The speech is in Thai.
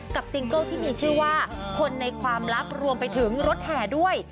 ซิงเกิลที่มีชื่อว่าคนในความลับรวมไปถึงรถแห่ด้วย